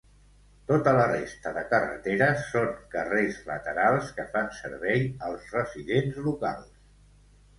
Tota la resta de carreteres són carrers laterals que fan servei als residents locals.